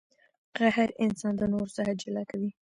قهر انسان د نورو څخه جلا کوي.